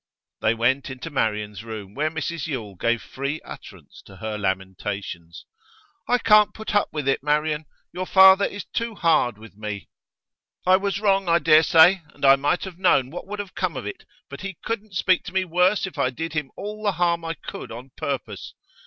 They went into Marian's room, where Mrs Yule gave free utterance to her lamentations. 'I can't put up with it, Marian! Your father is too hard with me. I was wrong, I dare say, and I might have known what would have come of it, but he couldn't speak to me worse if I did him all the harm I could on purpose.